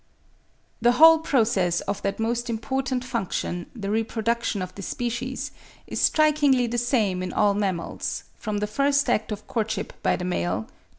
The whole process of that most important function, the reproduction of the species, is strikingly the same in all mammals, from the first act of courtship by the male (11.